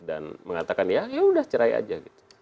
dan mengatakan ya ya sudah cerai saja